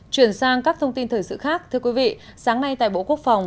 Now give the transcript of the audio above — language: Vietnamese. chuyển sang các thông tin thời sự khác thưa quý vị sáng nay tại bộ quốc phòng